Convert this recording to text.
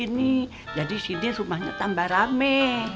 menetap di sini jadi sini rumahnya tambah rame